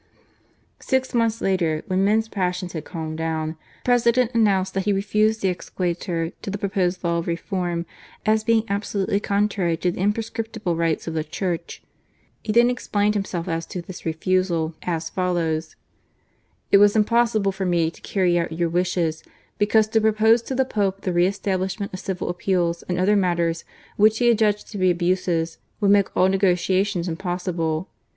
Six months later, when men's pas sions had calmed down, the President announced that he refused the Exequatur to the proposed laW of reform as being absolutely contrary to the im THE CONGRESS OF 1863. I3c> prescriptible rights of the Church, He then ex plained himself as to this refusal as follows :" It was impossible for me to carry out your wishes, because to propose to the Pope the re establishment of civil appeals and other matters which he had judged to be abuses, would make all negotiations impossible.